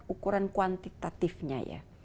ukuran kuantitatifnya ya